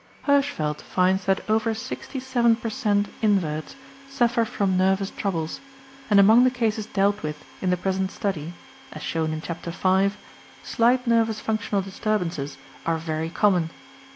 Hirschfeld finds that over 67 per cent. inverts suffer from nervous troubles, and among the cases dealt with in the present Study (as shown in chapter v) slight nervous functional disturbances are very common.